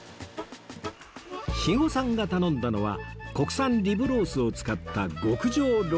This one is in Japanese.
肥後さんが頼んだのは国産リブロースを使った極上ロースかつ